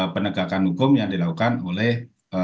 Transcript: penegakan hukum yang dilakukan oleh